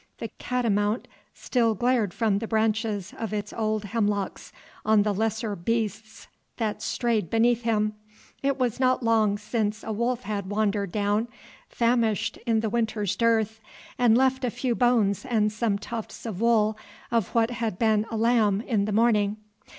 The catamount still glared from the branches of its old hemlocks on the lesser beasts that strayed beneath him. It was not long since a wolf had wandered down, famished in the winter's dearth, and left a few bones and some tufts of wool of what had been a lamb in the morning.